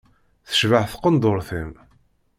Tecbeḥ tqenduṛṭ-im.